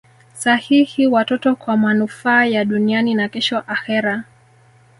sahihi watoto kwa manufaa ya duniani na kesho akhera